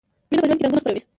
مینه په ژوند کې رنګونه خپروي.